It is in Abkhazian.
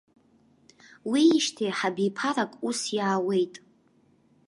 Уиижьҭеи х-абиԥарак ус иаауеит.